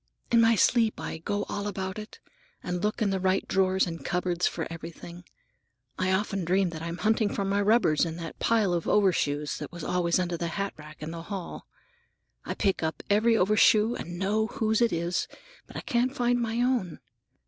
In my sleep I go all about it, and look in the right drawers and cupboards for everything. I often dream that I'm hunting for my rubbers in that pile of overshoes that was always under the hatrack in the hall. I pick up every overshoe and know whose it is, but I can't find my own.